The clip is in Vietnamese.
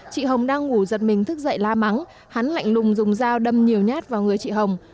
chị hồng đang ngủ giật mình thức dậy la mắng hắn lạnh lùng dùng dao đâm nhiều nhát vào người chị hồng